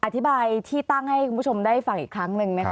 อธิบายที่ตั้งให้คุณผู้ชมได้ฟังอีกครั้งหนึ่งนะคะ